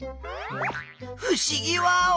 ふしぎワオ。